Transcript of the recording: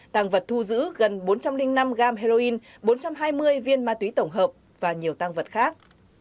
tàng vật thu giữ gần bốn trăm linh năm gram heroin bốn trăm hai mươi viên ma túy tổng hợp và nhiều tăng vật khác